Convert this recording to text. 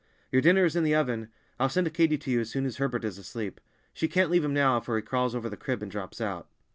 "Your dinner is in the oven. I'll send Katy to you as soon as Herbert is asleep. She can't leave him now, for he crawls over the crib and drops out."